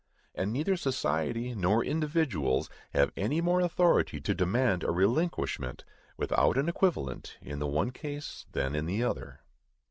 And neither society nor individuals have any more authority to demand a relinquishment, without an equivalent, in the one case, than in the other.